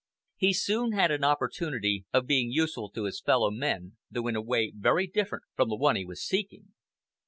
He soon had an opportunity of being useful to his fellow men, though in a way very different from the one he was seeking.